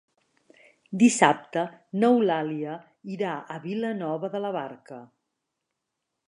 Dissabte n'Eulàlia irà a Vilanova de la Barca.